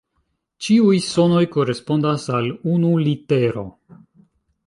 Ĉiuj sonoj korespondas al unu litero.